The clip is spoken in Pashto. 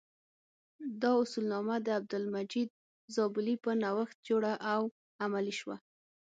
دا اصولنامه د عبدالمجید زابلي په نوښت جوړه او عملي شوه.